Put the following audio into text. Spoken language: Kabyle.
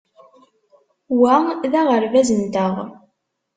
Wa d aɣerbaz-nteɣ.